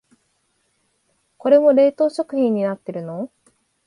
これも冷凍食品になってるの？